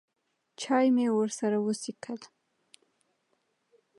چای مې ورسره وڅښلې.